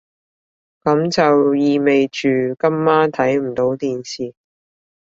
噉就意味住今晚睇唔到電視